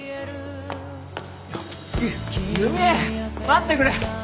待ってくれ！